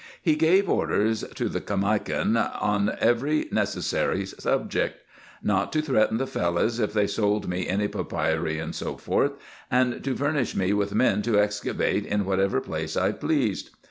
He gave orders, to the Caimakan on every necessary subject ; not to threaten the Fellahs, if they sold me any papyri, &c. and to furnish me with men to excavate in whatever place I pleased.